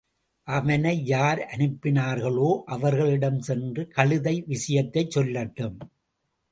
அவனை யார் அனுப்பினார்களோ, அவர்களிடம் சென்று கழுதை விஷயத்தைச் சொல்லட்டும்.